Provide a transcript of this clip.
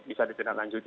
bisa ditindak lanjuti